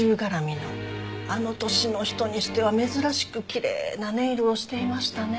あの年の人にしては珍しくきれいなネイルをしていましたね。